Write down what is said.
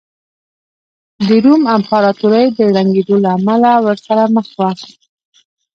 د روم امپراتورۍ د ړنګېدو له امله ورسره مخ وه